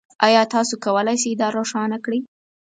ایا تاسو کولی شئ دا روښانه کړئ؟